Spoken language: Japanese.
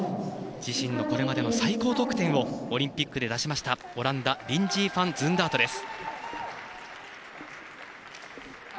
自身のこれまでの最高得点をオリンピックで出しましたオランダリンジー・ファン・ズンダート。